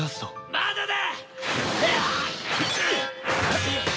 まだだ！